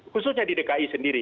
khususnya di dki sendiri